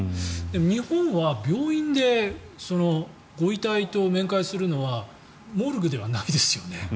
日本は病院でご遺体と面会するのはモルグではないですよね。